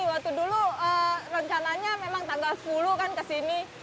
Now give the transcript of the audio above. waktu dulu rencananya memang tanggal sepuluh kan ke sini